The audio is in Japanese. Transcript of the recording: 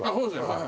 はい。